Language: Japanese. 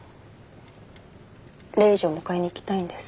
レイジを迎えに行きたいんです。